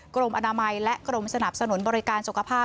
กรมอนามัยและกรมสนับสนุนบริการสุขภาพ